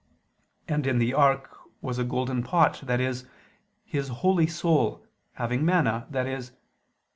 And in the ark was a golden pot, i.e. His holy soul, having manna, i.e.